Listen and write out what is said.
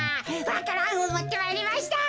わか蘭をもってまいりました。